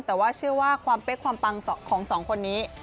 แต่ว่าเชื่อว่าความเป๊กความปังของสองคนนี้